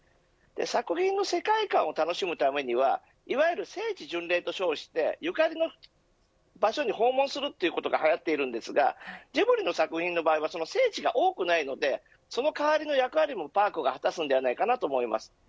作品の世界観を楽しむためにはいわゆる聖地巡礼と称してゆかりの場所に訪問することが流行っていますがジブリの作品の場合その聖地が多くないのでその代わりの役割も、パークが果たすのではないかと思います。